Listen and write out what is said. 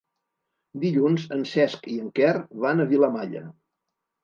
Dilluns en Cesc i en Quer van a Vilamalla.